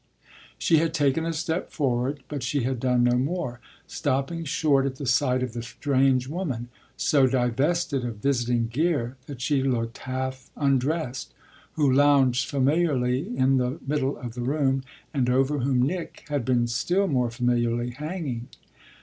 She had taken a step forward, but she had done no more, stopping short at the sight of the strange woman, so divested of visiting gear that she looked half undressed, who lounged familiarly in the middle of the room and over whom Nick had been still more familiarly hanging.